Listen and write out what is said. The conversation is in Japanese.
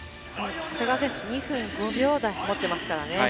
長谷川選手２分５秒台を持っていますからね。